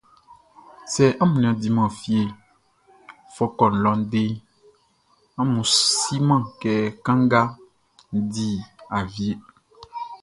Sɛ amun nin a diman fie fɔkɔ lɔ deʼn, amun su siman kɛ kanga di awieʼn.